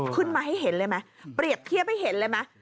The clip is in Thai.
ขึ้นมาให้เห็นเลยไหมเปรียบเทียบให้เห็นเลยไหม